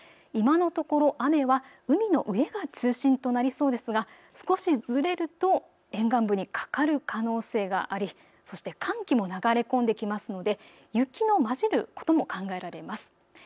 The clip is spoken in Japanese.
今のところ雨は海の上が中心となりそうですが少しずれると沿岸部にかかる可能性がありそして寒気も流れ込んできますので雪の交じることも考えられます。